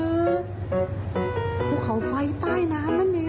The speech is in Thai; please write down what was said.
ภูเขาไฟใต้น้ำนั่นเอง